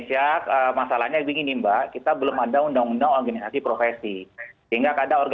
vaaturnya enggak mungkin enggak gitu kalau anda enggak mendaftar ya jen decent nggak bisa punya lega standing ya